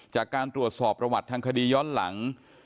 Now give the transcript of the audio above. จากการตรวจสอบประวัติทางคดีย้อนหลัง